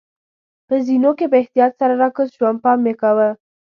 په زینو کې په احتیاط سره راکوز شوم، پام مې کاوه.